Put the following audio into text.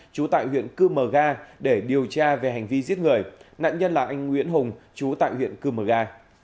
trú tại huyện cư mờ ga để điều tra về hành vi giết người nạn nhân là anh nguyễn hùng chú tại huyện cư mờ ga